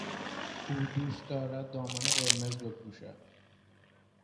او دوست دارد دامن قرمز بپوشد.